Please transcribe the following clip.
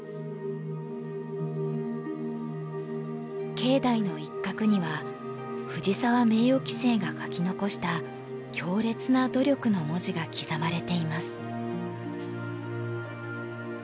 境内の一角には藤沢名誉棋聖が書き残した「強烈な努力」の文字が刻まれています。